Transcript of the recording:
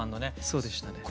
そうでしたね。